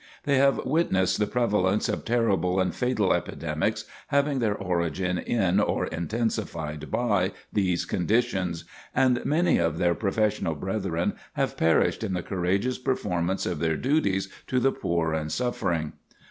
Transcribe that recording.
They have witnessed the prevalence of terrible and fatal epidemics, having their origin in or intensified by these conditions, and many of their professional brethren have perished in the courageous performance of their duties to the poor and suffering.